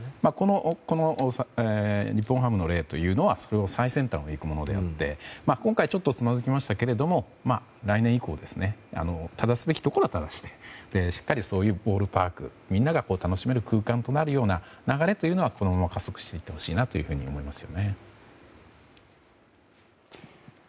この日本ハムの例というのはその最先端を行くものであって今回はちょっとつまずきましたが来年以降正すべきところは正してしっかり、そういうボールパークみんなが楽しめる空間となるような流れというのはこのまま加速していってほしいと思います。